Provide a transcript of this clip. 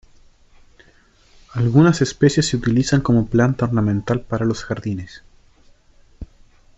Algunas especies se utilizan como planta ornamental para los jardines.